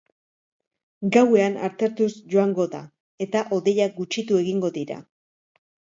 Gauean atertuz joango da eta hodeiak gutxitu egingo dira.